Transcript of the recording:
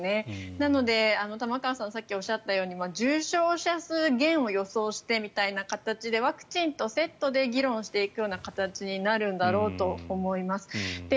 なので、玉川さんがさっきおっしゃったように重症者数減を予想してみたいな形でワクチンとセットで議論していく形になるんだろうと思います。